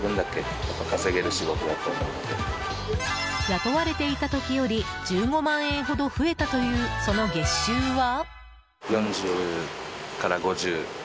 雇われていた時より１５万円ほど増えたというその月収は？